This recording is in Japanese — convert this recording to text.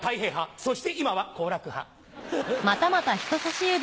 そして今は好楽派。